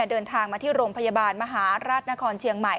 เดินทางมาที่โรงพยาบาลมหาราชนครเชียงใหม่